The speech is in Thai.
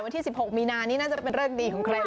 วันที่๑๖มีนานี้น่าจะเป็นเริกดีของใคร